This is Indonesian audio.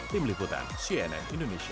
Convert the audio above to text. tim liputan cnn indonesia